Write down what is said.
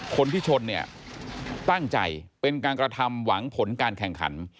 คนที่ชนเนี่ยตั้งใจเป็นการกระทำหวังผลการแข่งขัน